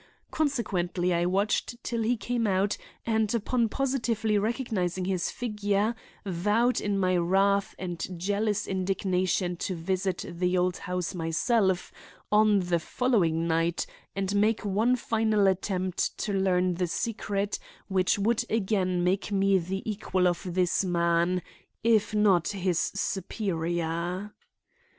Consequently I watched till he came out and upon positively recognizing his figure vowed in my wrath and jealous indignation to visit the old house myself on the following night and make one final attempt to learn the secret which would again make me the equal of this man, if not his superior.